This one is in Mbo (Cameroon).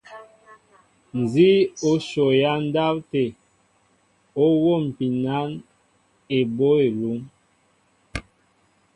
Nzi o shɔ ya ndáw até, i o nwómpin na eboy elúŋ.